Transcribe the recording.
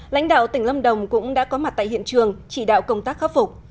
lãnh đạo tỉnh lâm đồng cũng đã có mặt tại hiện trường chỉ đạo công tác khắc phục